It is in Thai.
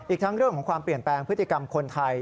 อีกทั้งเรื่องของความเปลี่ยนแปลงพฤติกรรมคนไทย